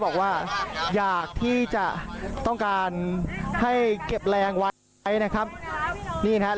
บอกว่าอยากที่จะต้องการให้เก็บแรงไว้นะครับนี่นะครับ